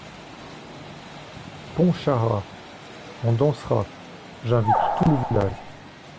Pontcharrat.- On dansera… j’invite tout le village.